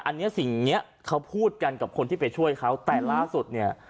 อันนี้สิ่งเนี้ยเขาพูดกันกับคนที่ไปช่วยเขาแต่ล่าสุดเนี่ย